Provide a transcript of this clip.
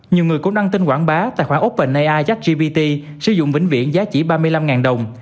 nhiều người cũng đăng tin quảng bá tài khoản openai chat gbt sử dụng vĩnh viễn giá trị ba mươi năm đồng